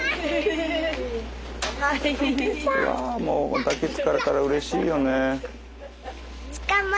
わもう抱きつかれたらうれしいよね。